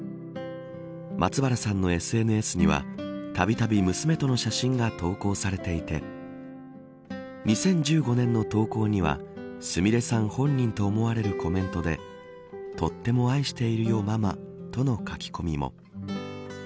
松原さんのＳＮＳにはたびたび娘との写真が投稿されていて２０１５年の投稿にはすみれさん本人と思われるコメントでとっても愛しているよ、ママとの書き込みも。